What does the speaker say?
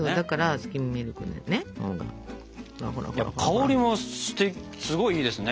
香りもすごいいいですね。